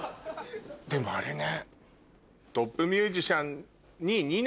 でもあれね。